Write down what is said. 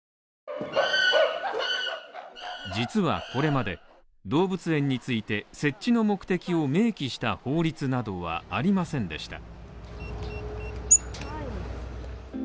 実はこれまで、動物園について、設置の目的を明記した法律などはありませんでした